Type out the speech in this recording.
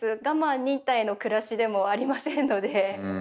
我慢忍耐の暮らしでもありませんので。